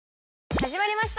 始まりました